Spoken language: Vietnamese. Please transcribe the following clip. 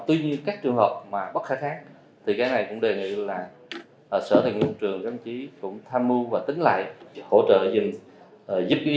tuy nhiên các trường hợp mà bất khả kháng thì cái này cũng đề nghị là sở thành công trường các anh chí cũng tham mưu và tính lại hỗ trợ dùm giúp ý này